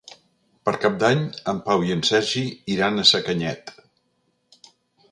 Per Cap d'Any en Pau i en Sergi iran a Sacanyet.